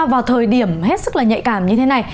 vào thời điểm hết sức là nhạy cảm như thế này